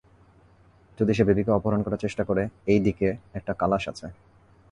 যদি সে বেবিকে অপহরণ করার চেষ্টা করে, এই দিকে, একটা কালাশ আছে।